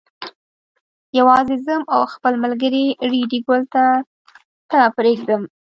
یوازې ځم او خپل ملګری ریډي ګل تا ته پرېږدم.